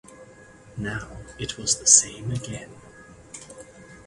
Now it was the same again.